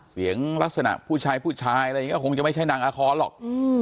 เสียงลักษณะผู้ชายผู้ชายอะไรอย่างนี้ก็คงจะไม่ใช่นางอาคอนหรอก